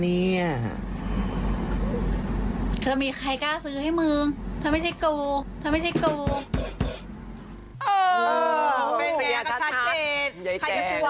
ใครจะสวยล่ะเธอไม่ใช่กู